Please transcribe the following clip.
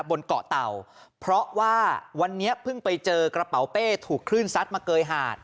บนเกาะเต่าเพราะว่าวันนี้เพิ่งไปเจอกระเป๋าเป้ถูกคลื่นซัดมาเกยหาด